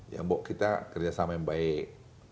ya bu kita kerjasama yang baik